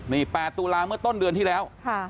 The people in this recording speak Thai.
นี่๘ตุลาเมื่อต้นเดือนที่แล้ว